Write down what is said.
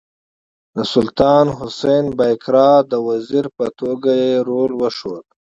د سلطان حسین بایقرا د وزیر په توګه یې رول وښود.